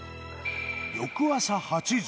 翌朝８時。